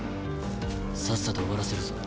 さっさと終わらせるぞ。